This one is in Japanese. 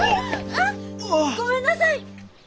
あっごめんなさい！